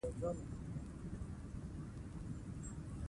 پکورې له غوړیو پاکې هم تیارېږي